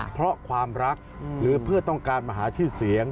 เพราะความรักหรือเพื่อต้องการมาหาชื่อเสียง